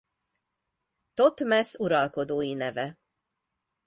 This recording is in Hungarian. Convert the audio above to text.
Thotmesz uralkodói neve.